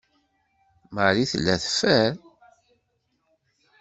Marie tella teffer.